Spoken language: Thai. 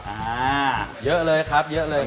อ่าเยอะเลยครับเยอะเลย